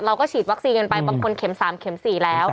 เราก็ฉีดวัคซีนกันไปบางคนเข็ม๓เข็ม๔แล้ว